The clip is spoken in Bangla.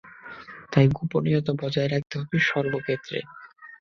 তাই, গোপনীয়তা বজায় রাখতে হবে সর্বক্ষেত্রে!